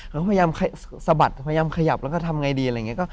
เขาก็พยายามสะบัดพยายามขยับแล้วก็ทำไงดีอะไรอย่างนี้